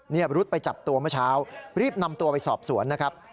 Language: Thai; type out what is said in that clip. นี่รุดไปจับตัวเมื่อเช้ารีบนำตัวไปสอบสวนนะครับ